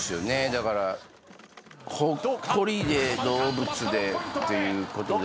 だからほっこりで動物でっていうことですから。